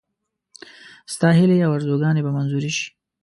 ستا هیلې او آرزوګانې به منظوري شي.